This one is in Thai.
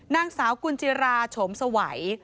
นางสาวกุญจิราโฉมสวัย